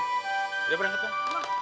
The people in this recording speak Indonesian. udah berangkat bang